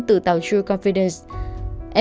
từ tàu true confidence